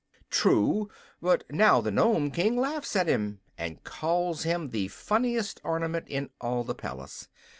"True; but now the Nome King laughs at him, and calls him the funniest ornament in all the palace.